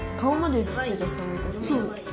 そう。